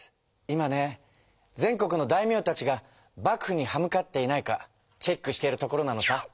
今ね全国の大名たちが幕府に歯向かっていないかチェックしているところなのさ。